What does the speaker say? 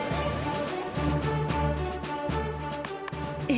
え。